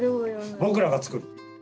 僕らが作る。